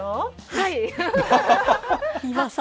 はい。